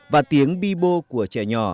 và tiếng bi bô của trẻ nhỏ